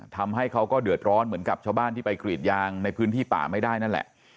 ทำให้เขาก็เดือดร้อนเหมือนกับชาวบ้านที่ไปกรีดยางในพื้นที่ป่าไม่ได้นั่นแหละ